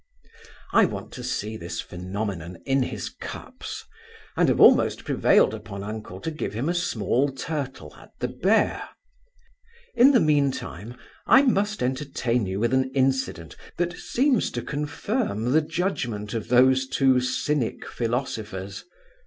I want to see this phenomenon in his cups; and have almost prevailed upon uncle to give him a small turtle at the Bear. In the mean time, I must entertain you with an incident, that seems to confirm the judgment of those two cynic philosophers.